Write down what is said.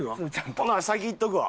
ほな先行っとくわ。